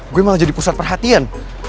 gue malah jadi pusat perhatian